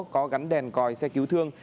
có gắn đèn còi xe cứu thương